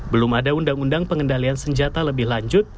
belum ada undang undang pengendalian senjata lebih lanjut